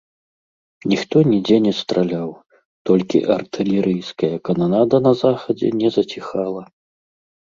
Ніхто нідзе не страляў, толькі артылерыйская кананада на захадзе не заціхала.